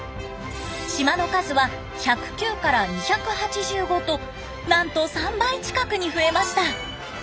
島の数は１０９から２８５となんと３倍近くに増えました。